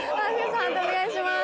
判定お願いします。